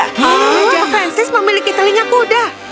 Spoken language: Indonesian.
oh raja francis memiliki telinga kuda